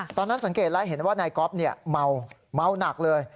ตอนนั้นสังเกตแล้วเห็นว่านายก๊อฟเมาหนักเลย